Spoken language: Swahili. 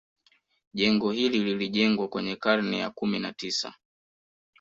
Jengo hili lilijengwa kwenye karne ya kumi na tisa